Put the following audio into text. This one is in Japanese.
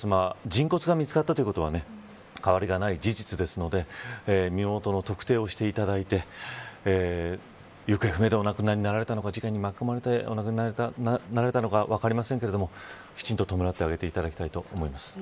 人骨が見つかったということは変わりがない事実ですので身元の特定をしていただいて行方不明でお亡くなりになられたのか、事件に巻き込まれてお亡くなりになられたのか分かりませんがきちんと弔っていただきたいと思います。